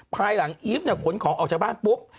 ภายหลังอีฟขนของเอาจากบ้านปุ๊บ